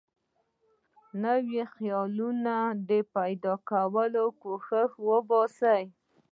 نویو خیالونو د پیدا کولو کوښښ باسي.